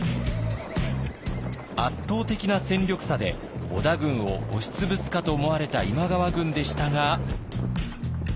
圧倒的な戦力差で織田軍を押し潰すかと思われた今川軍でしたが。